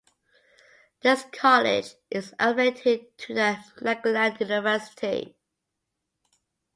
This college is affiliated to the Nagaland University.